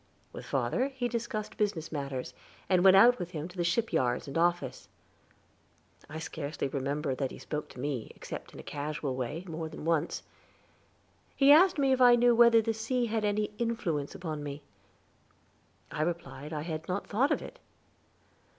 With father he discussed business matters, and went out with him to the shipyards and offices. I scarcely remember that he spoke to me, except in a casual way, more than once. He asked me if I knew whether the sea had any influence upon me; I replied that I had not thought of it.